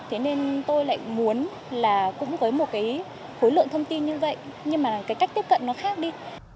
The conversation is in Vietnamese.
thế nên tôi lại muốn là cũng với một cái khối lượng thông tin như vậy nhưng mà cái cách tiếp cận nó khác đi